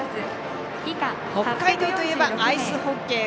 北海道といえばアイスホッケー。